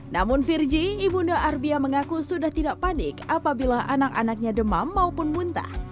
namun virgi ibunda arbia mengaku sudah tidak panik apabila anak anaknya demam maupun muntah